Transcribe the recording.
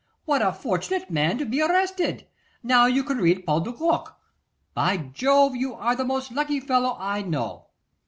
'What a fortunate man to be arrested! Now you can read Paul de Kock! By Jove, you are the most lucky fellow I know.